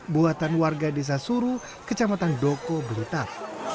buatan warga desa suru kecamatan doko blitar